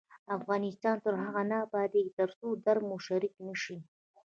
افغانستان تر هغو نه ابادیږي، ترڅو درد مو شریک نشي.